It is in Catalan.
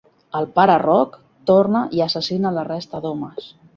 El pare Roc torna i assassina la resta d'homes.